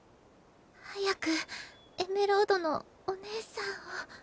早くエメロードのお姉さんを。